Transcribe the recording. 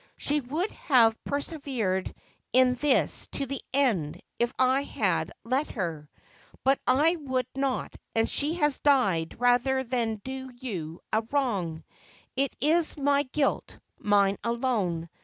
She would have persevered in this to the end, if I had let her. Bat I would not, and she has died rather than do you a wrong ; it is my guilt — mine alone.